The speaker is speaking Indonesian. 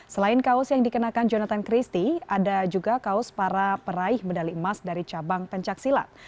selain kaos yang dikenakan jonathan christie ada juga kaos para peraih medali emas dari cabang pencaksilat